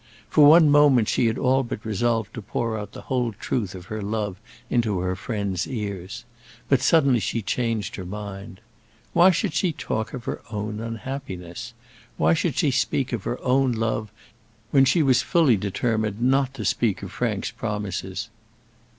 For one moment she had all but resolved to pour out the whole truth of her love into her friend's ears; but suddenly she changed her mind. Why should she talk of her own unhappiness? Why should she speak of her own love when she was fully determined not to speak of Frank's promises.